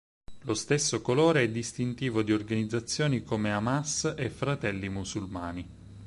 Lo stesso colore è distintivo di organizzazioni come Hamas e Fratelli Musulmani.